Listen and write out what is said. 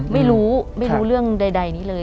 ไม่รู้เรื่องใดเลย